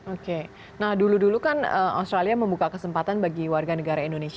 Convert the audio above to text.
oke nah dulu dulu kan australia membuka kesempatan bagi warga negara indonesia